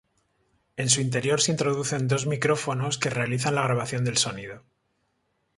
En su interior se introducen dos micrófonos que realizan la grabación del sonido.